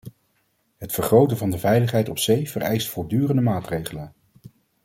Het vergroten van de veiligheid op zee vereist voortdurende maatregelen.